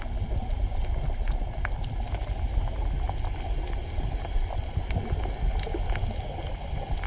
สวัสดีครับสวัสดีครับ